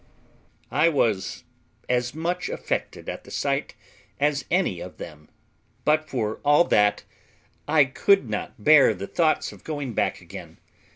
I was as much affected at the sight as any of them; but, for all that, I could not bear the thoughts of going back again.